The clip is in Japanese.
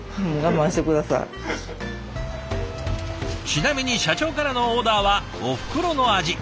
ちなみに社長からのオーダーはおふくろの味。